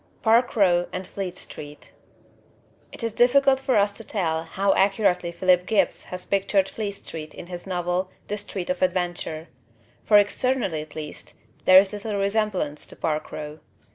Park Row and Fleet Street It is difficult for us to tell how accurately Philip Gibbs has pictured Fleet Street in his novel The Street of Adventure; for, externally at least, there is little resemblance to Park Row.